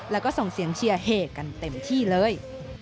แล้วก็ส่งเสียงเชียร์เหกันเต็มที่เลย